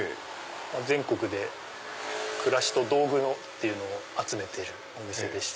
全国で暮らしと道具を集めてるお店でして。